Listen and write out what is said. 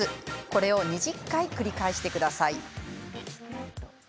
これを２０回繰り返してください。